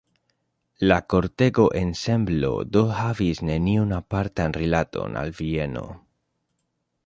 La kortego-ensemblo do havis neniun apartan rilaton al Vieno.